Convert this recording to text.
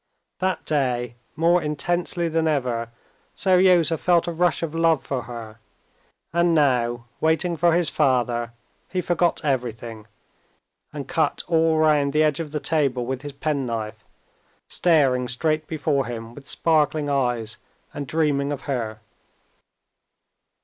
That day, more intensely than ever, Seryozha felt a rush of love for her, and now, waiting for his father, he forgot everything, and cut all round the edge of the table with his penknife, staring straight before him with sparkling eyes and dreaming of her.